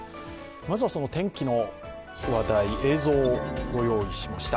まずは天気の話題、映像をご用意しました。